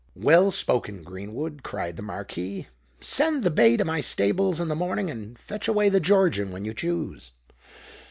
"Well spoken, Greenwood!" cried the Marquis. "Send the bay to my stables in the morning; and fetch away the Georgian when you choose."